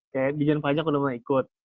kayak dijen pajak udah mulai ikut